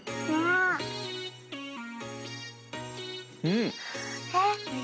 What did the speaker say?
うん！